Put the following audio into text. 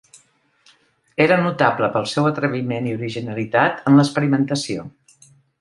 Era notable pel seu atreviment i originalitat en l'experimentació.